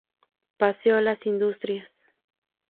Paseo Las Industrias.